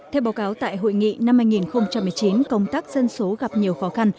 theo báo cáo tại hội nghị năm hai nghìn một mươi chín công tác dân số gặp nhiều khó khăn